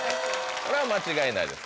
これは間違いないです